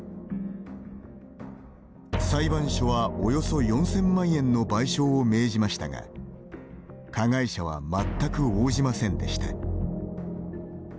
裁判所はおよそ４０００万円の賠償を命じましたが加害者は全く応じませんでした。